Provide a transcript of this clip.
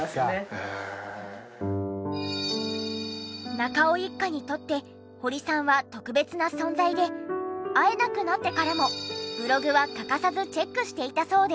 中尾一家にとって堀さんは特別な存在で会えなくなってからもブログは欠かさずチェックしていたそうで。